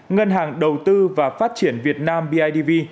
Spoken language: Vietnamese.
ngân hàng đầu tư và phát triển việt nam bidv